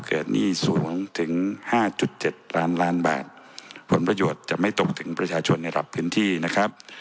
เกิดหนี้สูงถึง๕๗ล้านล้านบาทผลประโยชน์จะไม่ตกถึงประชาชนในหลับพื้นที่นะครับ